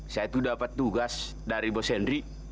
saya tuh dapat tugas dari bos henry